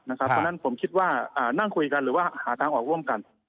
เพราะฉะนั้นผมคิดว่านั่งคุยกันหรือว่าหาทางออกร่วมกัน